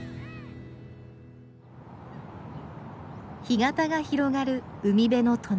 干潟が広がる海辺の隣。